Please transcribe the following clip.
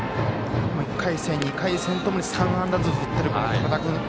１回戦、２回戦ともに３安打ずつ打っている寺田君。